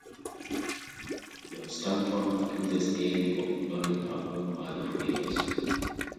John Staughton accuses Ellie of ignoring her own mother for years.